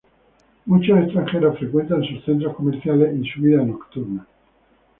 Muchos extranjeros frecuentan sus centros comerciales y su vida nocturna.